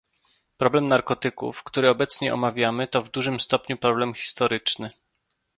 Problem narkotyków, który obecnie omawiamy, to w dużym stopniu problem historyczny